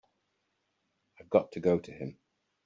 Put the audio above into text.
I've got to go to him.